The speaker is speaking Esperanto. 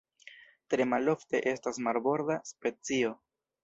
Tre malofte estas marborda specio.